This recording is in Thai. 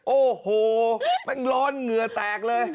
โอ้โหแป้งร้อนเหงื่อแตกเลย